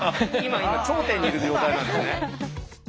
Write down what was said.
今頂点にいる状態なんですね。